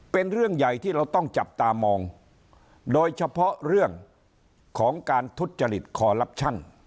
เป็นเรื่องใหญ่ที่เราต้องจับตามองโดยเฉพาะเรื่องของการทุจจริตคอลลับชั่น